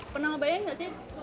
pernah ngebayang gak sih